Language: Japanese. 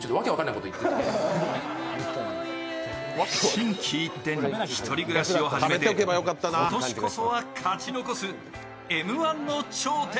心機一転、１人暮らしを始めて今年こそは勝ち残すＭ−１の頂点。